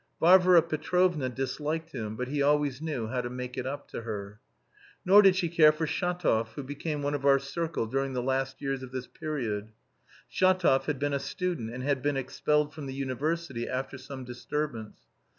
Varvara Petrovna disliked him, but he always knew how to make up to her. Nor did she care for Shatov, who became one of our circle during the last years of this period. Shatov had been a student and had been expelled from the university after some disturbance.